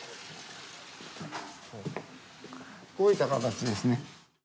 こういった形ですね。